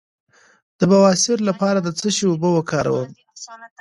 د بواسیر لپاره د څه شي اوبه وکاروم؟